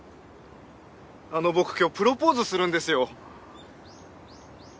あの僕今日プロポーズするんですよ。